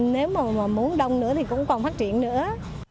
nếu mà muốn đông nữa thì cũng còn phát triển nữa